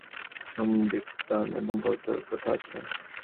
এতদ্ভিন্ন বৈদিক ক্রিয়াকাণ্ডেও ধূপদীপ দান এবং গীতবাদ্যের প্রথা আছে।